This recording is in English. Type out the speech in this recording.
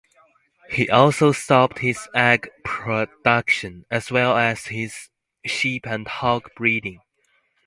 He also stopped his egg production, as well as his sheep and hog breeding.